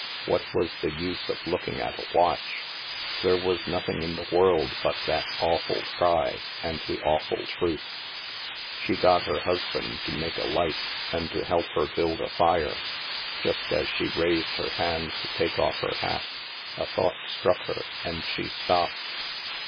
What was the use of looking at a watch ? There was nothing in the world but that awful cry and the awful truth. She got her husband to make a light, and to help THE MAELSTROM 239 her build a fire. Just as she raised her hands to take off her hat, a thought struck her, and she stopped.